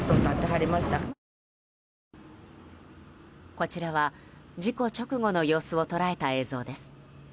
こちらは、事故直後の様子を捉えた映像です。